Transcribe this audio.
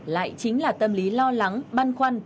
lại chính là tâm lý lo lắng băn khoăn